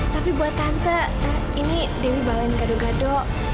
tapi buat tante ini dewi bawa gado gado